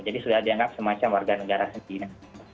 jadi tidak ada semacam warga negara sendiri